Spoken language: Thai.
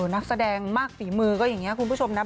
นักแสดงมากฝีมือก็อย่างนี้คุณผู้ชมนะ